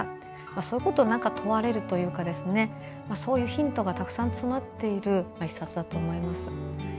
そういうことを問われるというかそういうヒントがたくさん詰まっている一冊だと思います。